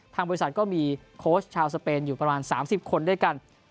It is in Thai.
บริษัทก็มีโค้ชชาวสเปนอยู่ประมาณ๓๐คนด้วยกัน